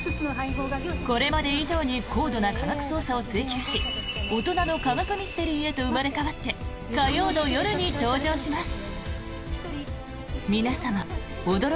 これまで以上に高度な科学捜査を追求し大人の科学ミステリーへと生まれ変わって火曜の夜に登場します。